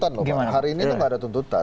tapi memang hari ini tidak ada tuntutan